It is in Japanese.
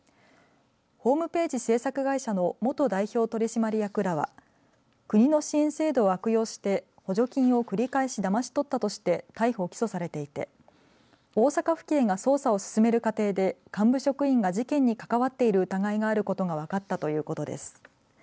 ホームページ制作会社の元代表取締役らは国の支援制度を悪用して補助金を繰り返しだまし取ったとして逮捕、起訴されていて大阪府警が捜査を進める過程で幹部職員が事件に関わっている疑いがあることが分かったということです。